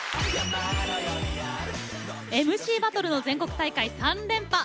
ＭＣバトルの全国大会３連覇！